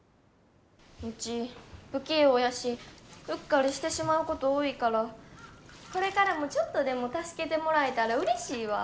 ウチ不器用やしうっかりしてしまうこと多いからこれからもちょっとでも助けてもらえたらうれしいわ。